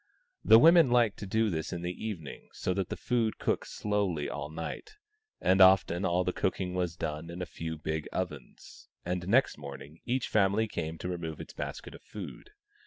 The women liked to do this in the evening, so that the food cooked slowly all night ; and often all the cooking was done in a few big ovens, and next morning each family came to remove its basket of food.